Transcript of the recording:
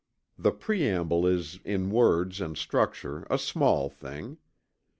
The preamble is in words and structure a small thing.